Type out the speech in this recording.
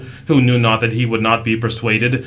who knew not that he would not be persuaded.